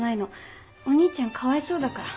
お兄ちゃんかわいそうだから。